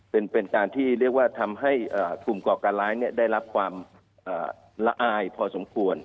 เป็นการที่เรียกว่าทำให้กลุ่มก่อการร้ายได้รับความละอายพอสมควร